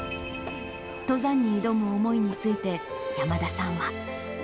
登山に挑む思いについて、山田さんは。